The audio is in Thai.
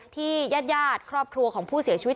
ญาติครอบครัวของผู้เสียชีวิต